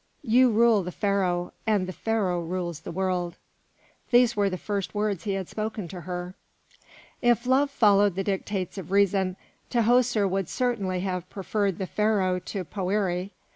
You rule the Pharaoh, and the Pharaoh rules the world." These were the first words he had spoken to her. If love followed the dictates of reason, Tahoser would certainly have preferred the Pharaoh to Poëri.